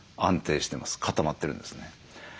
固まってるんですね。